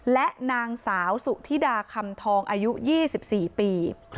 และนางสาวสุธิดาคำทองอายุ๒๔ปี